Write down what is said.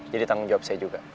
jadi tanggung jawab saya juga